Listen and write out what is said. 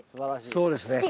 そうですね。